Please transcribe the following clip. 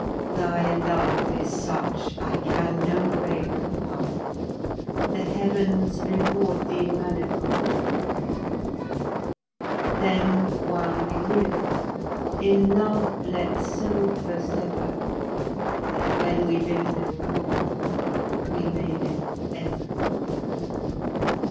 Thy love is such I can no way repay. The heavens reward thee manifold, I pray. Then while we live, in love let's so persever That when we live no more, we may live ever.